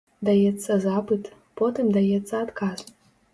Даецца запыт, потым даецца адказ.